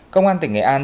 công an tỉnh nghệ an